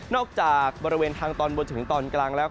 จากบริเวณทางตอนบนจนถึงตอนกลางแล้ว